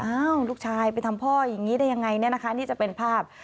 อ้าวลูกชายไปทำพ่อยังไงนี่จะเป็นภาพ